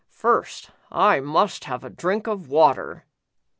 First, I must have a drink of water.